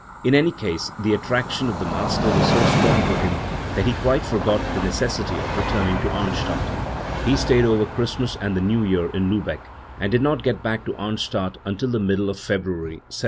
In any case the attraction of the master was so strong for him that he quite forgot the necessity of returning to Arnstadt. He stayed over Christ mas and the New Year in Liibeck, and did not get back ^o Arnstadt until the middle of February, 1706.